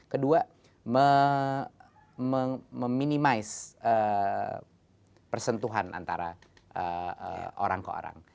kedua meminimalisi persentuhan antara orang ke orang